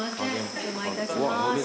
お邪魔いたします。